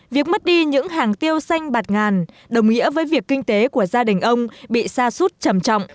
việc mất đi những hàng tiêu xanh bạt ngàn đồng nghĩa với việc kinh tế của gia đình ông bị sa sút chầm trọng